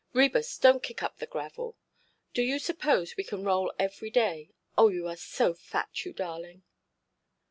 Ræbus, donʼt kick up the gravel. Do you suppose we can roll every day? Oh, you are so fat, you darling"!